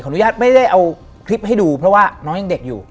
อนุญาตไม่ได้เอาคลิปให้ดูเพราะว่าน้องยังเด็กอยู่